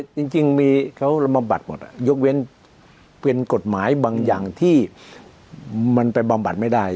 จริงมีเขาระบำบัดหมดยกเว้นเป็นกฎหมายบางอย่างที่มันไปบำบัดไม่ได้